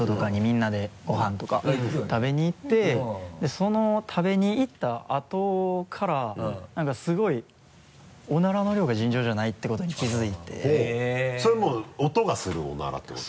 その食べに行ったあとからなんかすごいオナラの量が尋常じゃないってことに気づいてそれはもう音がするオナラってこと？